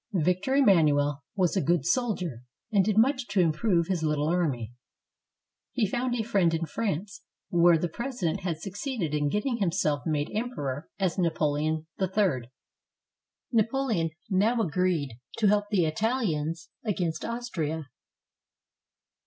Victor Emmanuel was a good sol dier and did much to improve his httle army. He found a friend in France, where the President had succeeded in getting himself made Emperor as Napoleon III. Napo leon now agreed to help the Italians against Austria.